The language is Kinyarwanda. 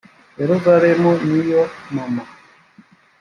yerusalemu ni yo mama